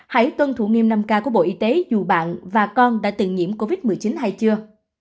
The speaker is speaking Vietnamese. hãy tuân thủ nghiêm năm k của bộ y tế dù bạn và con đã từng nhiễm covid một mươi chín hay chưa